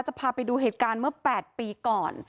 จะพาไปดูเหตุการณ์เมื่อ๘ปีก่อน